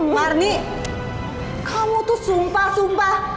marni kamu tuh sumpah sumpah